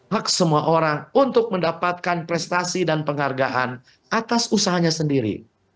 hak semua orang untuk mendapatkan prestasi dan penghargaan atas usahanya sendiri